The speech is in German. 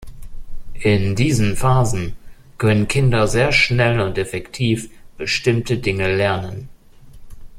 In diesen Phasen können Kinder sehr schnell und effektiv bestimmte Dinge lernen.